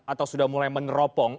atau sudah mulai meneropong